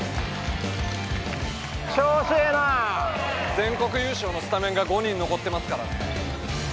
全国優勝のスタメンが５人残ってますからね。